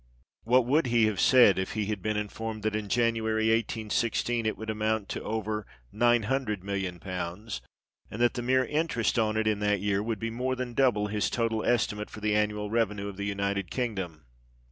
What would he have said if he had been informed that in January, 1816, it would amount to over 900,000,000, and that the mere interest on it in that year would be more than double his total estimate for the annual revenue of the United Kingdom